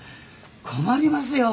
困りますよ！